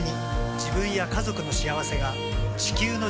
自分や家族の幸せが地球の幸せにつながっている。